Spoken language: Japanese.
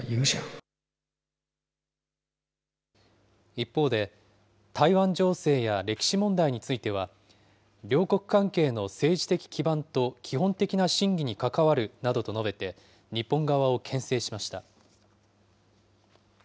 一方で台湾情勢や歴史問題については、両国関係の政治的基盤と基本的な信義に関わるなどと述べて、日本側をけん制しました。